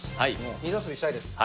水遊びしたいです。